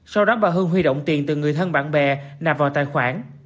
sau đó bà hương huy động tiền từ người thân bạn bè nạp vào tài khoản